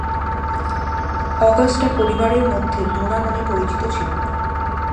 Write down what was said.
Augusta পরিবারের মধ্যে "Donna" নামে পরিচিত ছিল।